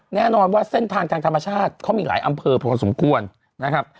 แน่นอนว่าเส้นทางทางธรรมชาติเขามีหลายอำเภอพอสมควรนะครับ